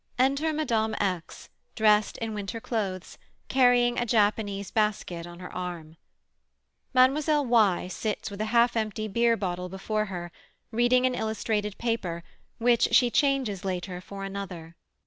Enter Mme. X., dressed in winter clothes, carrying a Japanese basket on her arm.] [MLLE. Y. sits with a half empty beer bottle before her, reading an illustrated paper, which she changes later for another.